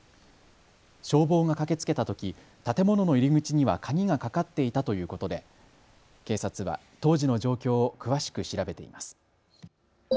消防が駆けつけたとき建物の入り口には鍵がかかっていたということで警察は当時の状況を詳しく調べています。